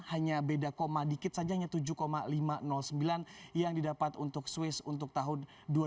hanya beda koma dikit saja hanya tujuh lima ratus sembilan yang didapat untuk swiss untuk tahun dua ribu enam belas